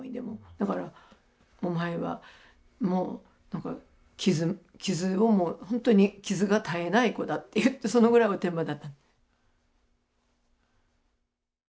だからお前はもう何か傷をもう本当に傷が絶えない子だって言ってそのぐらいおてんばだった。